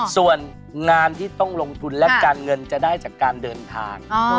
ส่วนงานที่ต้องลงทุนและการเงินจะได้จากการเดินทาง